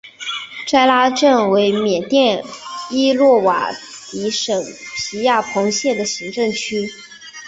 斋拉镇为缅甸伊洛瓦底省皮亚朋县的行政区。